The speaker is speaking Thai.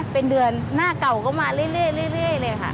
เป็นเดือนหน้าเก่าก็มาเรื่อยเลยค่ะ